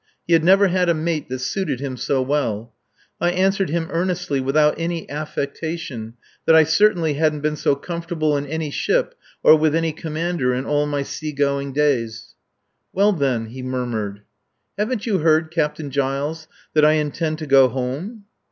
He had never had a mate that suited him so well," I answered him earnestly, without any affectation, that I certainly hadn't been so comfortable in any ship or with any commander in all my sea going days. "Well then," he murmured. "Haven't you heard, Captain Giles, that I intend to go home?"